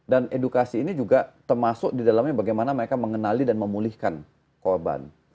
dan edukasi ini juga termasuk di dalamnya bagaimana mereka mengenali dan memulihkan